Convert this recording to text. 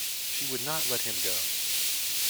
She would not let him go.